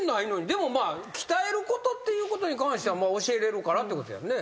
でもまあ鍛えることっていうことに関しては教えれるからってことやんね。